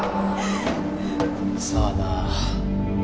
さあな。